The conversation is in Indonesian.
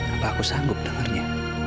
apa aku sanggup dengarnya